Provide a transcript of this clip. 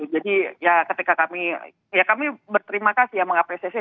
jadi ya ketika kami ya kami berterima kasih ya mengapresiasi